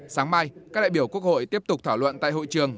sáng mai các đại biểu quốc hội tiếp tục thảo luận tại hội trường